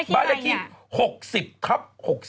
บ้านแรกที่๖๐ครับ๖๑